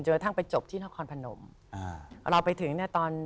จนต้องไปจบที่น่าคอนพะนมอ่าเราไปถึงเนี้ยตอน